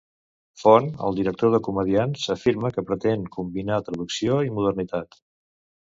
Font, el director de Comediants, afirma que pretén combinar traducció i modernitat.